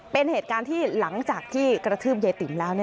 เป็นเหตุการณ์ที่หลังจากที่กระทืบยายติ๋มแล้ว